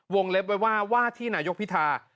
เล็บไว้ว่าว่าที่นายกพิธา